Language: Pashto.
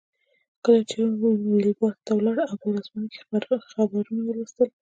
کله چې ویلباډ ته ولاړ په ورځپاڼو کې یې خبرونه ولوستل.